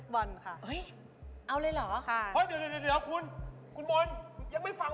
บอกเลยว่าที่บ้านผมแมว๔๐กว่าตัว